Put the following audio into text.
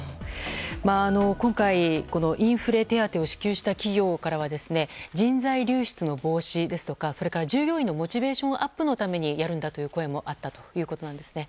今回、インフレ手当を支給した企業からは人材流出の防止ですとか従業員のモチベーションアップのためにやるんだという声もあったということです。